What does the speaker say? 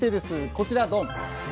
こちらドン。